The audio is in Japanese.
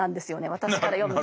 私から読むと。